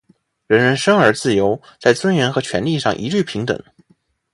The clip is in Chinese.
人人生而自由，在尊严和权利上一律平等。